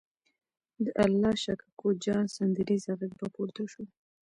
د الله شا کوکو جان سندریزه غږ به پورته شو.